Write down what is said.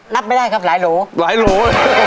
รับไม่ได้ครับหลายหรูหลายหรู